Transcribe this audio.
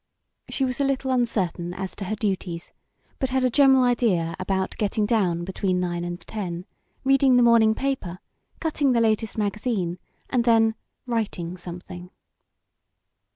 She was a little uncertain as to her duties, but had a general idea about getting down between nine and ten, reading the morning paper, cutting the latest magazine, and then "writing something."